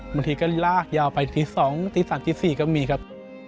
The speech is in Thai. บางทีก็ลากยาวไปตี๒ตี๓ตี๔ก็มีครับ